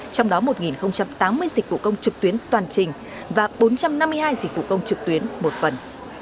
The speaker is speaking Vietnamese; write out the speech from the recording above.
trong đó một tám mươi dịch vụ công trực tuyến toàn trình và bốn trăm năm mươi hai dịch vụ công trực tuyến một phần